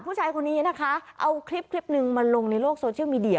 ผู้ชายคนนี้นะคะเอาคลิปหนึ่งมาลงในโลกโซเชียลมีเดีย